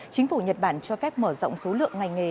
chính phủ nhật bản cho phép mở rộng số lượng ngành nghề